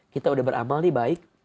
kita udah beramal nih baik